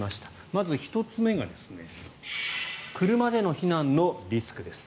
まず１つ目が車での避難のリスクです。